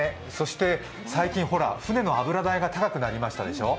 最近、船の油代が高くなりましたでしょ。